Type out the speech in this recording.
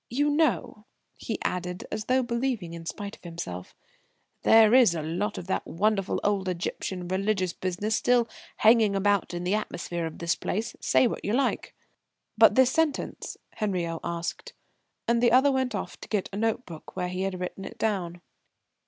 You know," he added, as though believing in spite of himself, "there is a lot of that wonderful old Egyptian religious business still hanging about in the atmosphere of this place, say what you like." "But this sentence?" Henriot asked. And the other went off to get a note book where he had written it down.